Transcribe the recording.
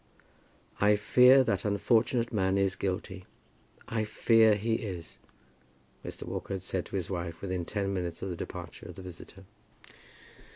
"I fear that unfortunate man is guilty. I fear he is," Mr. Walker had said to his wife within ten minutes of the departure of the visitor.